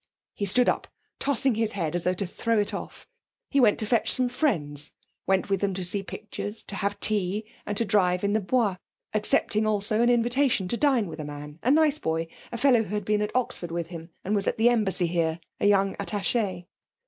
He stood up, tossing his head as though to throw it off. He went to fetch some friends, went with them to see pictures, to have tea, and to drive in the Bois, accepting also an invitation to dine with a man a nice boy a fellow who had been at Oxford with him, and was at the embassy here, a young attaché.